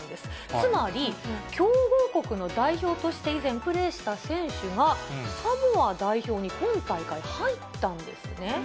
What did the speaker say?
つまり、強豪国の代表として以前プレーした選手が、サモア代表に今大会入ったんですね。